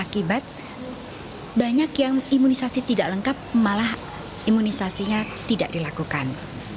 akibat banyak yang imunisasi tidak lengkap malah imunisasinya tidak dilakukan